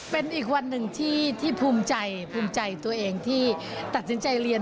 เป็นอีกวันหนึ่งที่ภูมิใจภูมิใจตัวเองที่ตัดสินใจเรียน